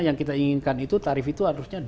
yang kita inginkan itu tarif itu harusnya